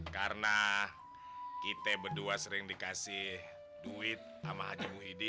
karena kita berdua sering dikasih duit sama haji muhyiddin